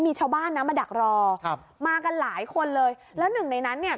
มีชาวบ้านนะมาดักรอครับมากันหลายคนเลยแล้วหนึ่งในนั้นเนี่ย